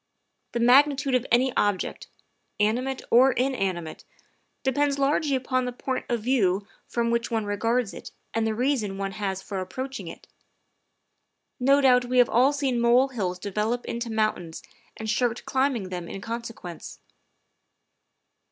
The magnitude of any object, animate or inanimate, depends largely upon the point of view from which one regards it and the reason one has for approaching it. No doubt we have all seen molehills develop into moun tains and shirked climbing them in consequence.